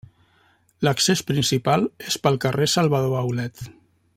L'accés principal és pel carrer Salvador Aulet.